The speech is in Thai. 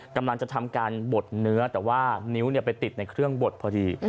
กำลังจะทำการบดเนื้อแต่ว่านิ้วไปติดในเครื่องบดพอดี